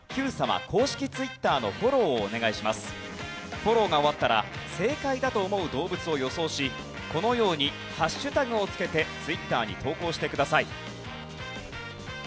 フォローが終わったら正解だと思う動物を予想しこのように＃を付けてツイッターに投稿してください。